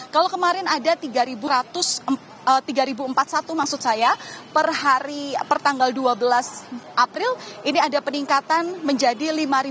kalau kemarin ada tiga empat ratus tiga empat ratus maksud saya per hari per tanggal dua belas april ini ada peningkatan menjadi lima sembilan ratus delapan puluh empat